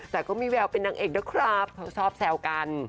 แต่ก็มีแววเป็นนางเอกด้วยครับเขาชอบแซวกัน